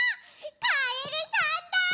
カエルさんだ！